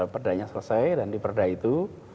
perdanya selesai dan diperdah itu